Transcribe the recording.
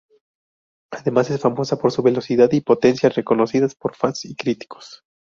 Además es famosa por su velocidad y potencia reconocidas por fans y críticos.